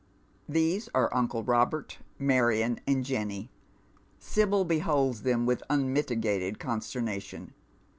These are uncle Robert, Marion, and Jenny. Sibyl beholds them with unmitigated consternation.